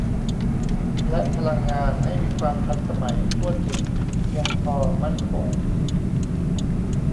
และพลังงานให้มีความทันสมัย ทั่วถึง เพียงพอ มั่นคง